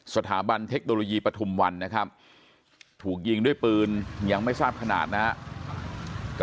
สถาบันเทคโนโลยีปฐุมวันนะครับถูกยิงด้วยปืนยังไม่ทราบขนาดนะครับ